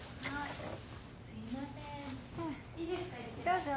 どうぞ。